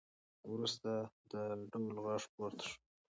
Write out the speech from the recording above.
وروسته د ډول غږ پورته شو